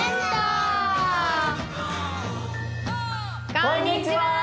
こんにちは！